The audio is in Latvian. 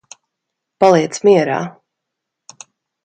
Paliec mierā.